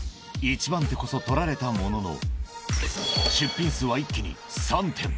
一番手こそ取られたものの、出品数は一気に３点。